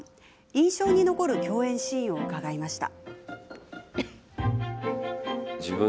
印象に残る共演シーンを伺いました。